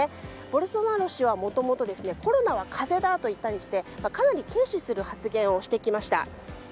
ボルソナロ氏はもともとコロナは風邪だと言ったりしてかなり軽視する発言をしてきました。